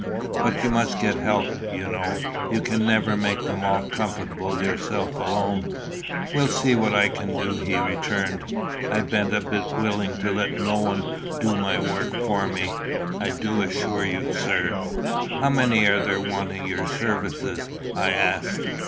"But you must get help, you know; you can never make them all comfortable yourself alone." "We'll see what I can do," he returned. "I ben't a bit willin' to let no one do my work for me, I do assure you, sir." "How many are there wanting your services?" I asked.